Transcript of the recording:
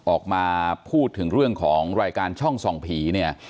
ออกมาพูดถึงเรื่องของรายการช่องส่องผีเนี่ย